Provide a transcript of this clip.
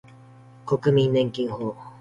国民年金法